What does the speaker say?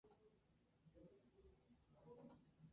Maturana jugó en total siete partidos y anotó un gol.